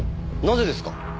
なぜですか？